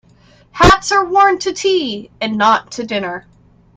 Hats are worn to tea and not to dinner.